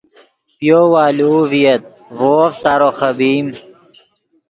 پے یَوْ آلوؤ ڤییت ڤے وف سارو خبئیم